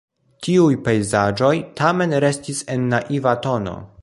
Tiuj pejzaĝoj tamen restis en naiva tono.